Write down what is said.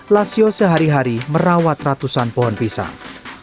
lasio sehari hari merawat ratusan pohon pisang